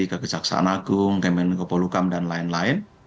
kegejaksana agung kemen kepolukam dan lain lain